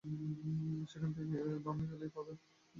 সেখান থেকে বামে গেলেই পাবে।